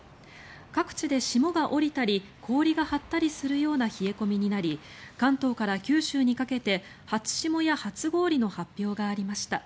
各地で霜が降りたり氷が張ったりするような冷え込みになり関東から九州にかけて初霜や初氷の発表がありました。